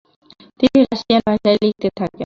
তিনি রাশিয়ান ভাষায় লিখতে থাকেন।